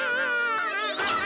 おじいちゃま！